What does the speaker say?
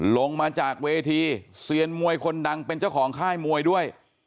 ลงมาจากเวทีเซียนมวยคนดังเป็นเจ้าของค่ายมวยด้วย